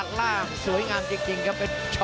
ได้ครับ